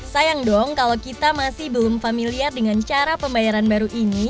sayang dong kalau kita masih belum familiar dengan cara pembayaran baru ini